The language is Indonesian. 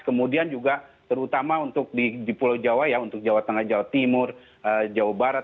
kemudian juga terutama untuk di pulau jawa ya untuk jawa tengah jawa timur jawa barat